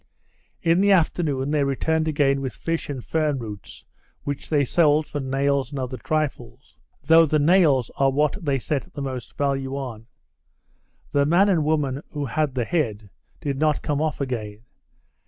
In the afternoon, they returned again with fish and fern roots, which they sold for nails and other trifles; though the nails are what they set the most value on. The man and woman who had the head, did not come off again.